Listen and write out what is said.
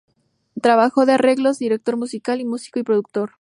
Trabajo de Arreglos, Director musical, Músico y Productor.